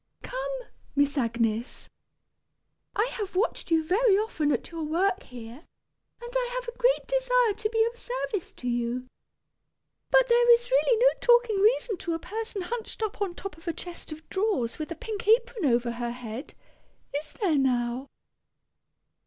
Come, Miss Agnes, I have watched you very often at your work here, and I have a great desire to be of service to you. But there is really no talking reason to a person hunched up on top of a chest of drawers with a pink apron over her head; is there, now?"